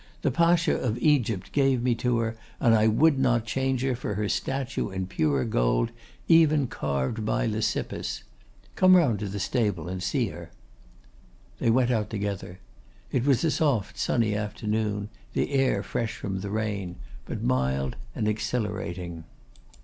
The Pacha of Egypt gave her to me, and I would not change her for her statue in pure gold, even carved by Lysippus. Come round to the stable and see her.' They went out together. It was a soft sunny afternoon; the air fresh from the rain, but mild and exhilarating.